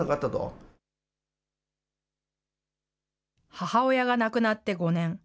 母親が亡くなって５年。